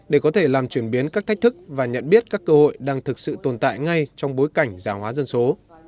để có thể làm chuyển biến các thách thức và nhận biết các cơ hội đang thực sự tồn tại ngay trong bối cảnh giả hóa dân số